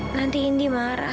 nanti indy marah